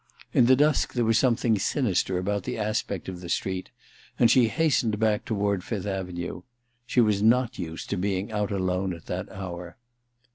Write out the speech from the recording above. In the dusk there was something sinister about the aspect of the street, and she hastened back toward Fifth Avenue. She was not used to being out alone at that hour.